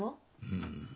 うん。